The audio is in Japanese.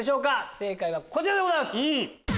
正解はこちらでございます！